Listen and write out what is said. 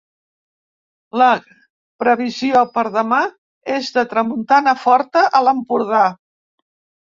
La previsió per demà és de tramuntana forta a l'Empordà.